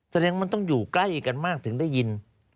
แสดงมันต้องอยู่ใกล้กันมากถึงได้ยิน